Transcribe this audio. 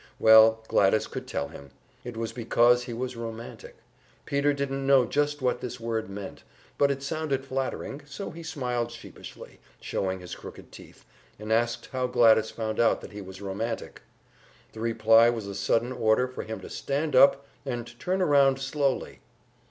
Well, Gladys could tell him; it was because he was romantic. Peter didn't know just what this word meant, but it sounded flattering, so he smiled sheepishly, showing his crooked teeth, and asked how Gladys found out that he was romantic. The reply was a sudden order for him to stand up and turn around slowly.